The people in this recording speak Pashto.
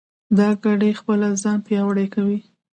دا کړۍ خپله ځان پیاوړې کوي.